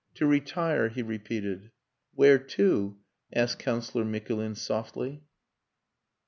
"To retire," he repeated. "Where to?" asked Councillor Mikulin softly.